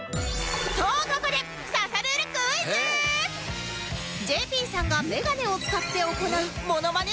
とここでＪＰ さんがメガネを使って行うモノマネ